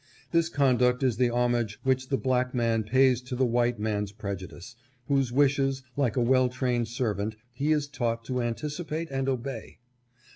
This con duct is the homage which the black man pays to the white man's prejudice, whose wishes, like a well trained servant, he is taught to anticipate and obey.